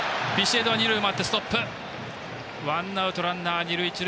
ワンアウトランナー、二塁一塁。